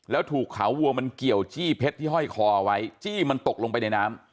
แล้วถูกขาวัวมันเกี่ยวจี้เพชรที่ห้อยคอไว้จี้มันตกลงไปในน้ำ